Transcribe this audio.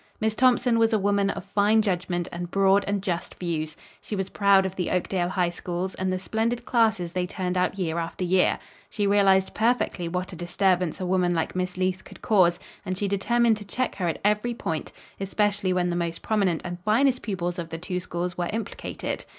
Miss Thompson was a woman of fine judgment and broad and just views. She was proud of the Oakdale High Schools and the splendid classes they turned out year after year. She realized perfectly what a disturbance a woman like Miss Leece could cause and she determined to check her at every point, especially when the most prominent and finest pupils of the two schools were implicated.